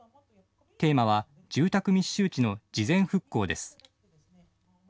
テーマは住宅密集地の事前復興です。